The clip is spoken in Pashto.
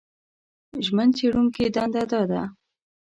ژمن څېړونکي دنده دا ده